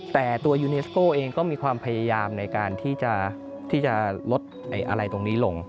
แต่ตัวยูเนสโก้เองก็มีความพยายามในการที่จะลดอะไรตรงนี้ลง